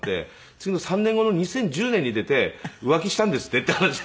次の３年後の２０１０年に出て「浮気したんですって？」っていう話。